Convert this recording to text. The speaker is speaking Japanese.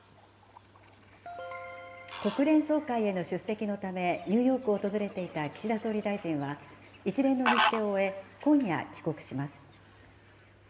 国連総会への出席のため、ニューヨークを訪れていた岸田総理大臣は、一連の日程を終え、今夜、帰国します。